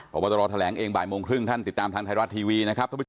พบตรแถลงเองบ่ายโมงครึ่งท่านติดตามทางไทยรัฐทีวีนะครับ